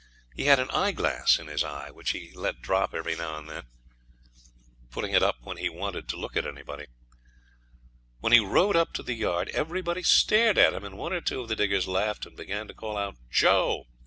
He had an eyeglass in his eye, which he let drop every now and then, putting it up when he wanted to look at anybody. When he rode up to the yard everybody stared at him, and one or two of the diggers laughed and began to call out 'Joe.'